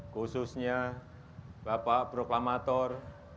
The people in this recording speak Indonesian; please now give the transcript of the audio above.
khususnya bapak proklamator